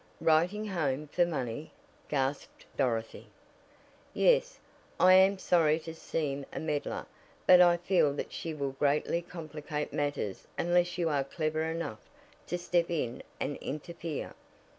"Writing home for money!" gasped Dorothy. "Yes; I am sorry to seem a meddler, but I feel that she will greatly complicate matters unless you are clever enough to step in and interfere.